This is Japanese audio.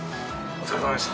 お疲れさまです。